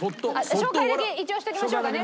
紹介だけ一応しときましょうかね。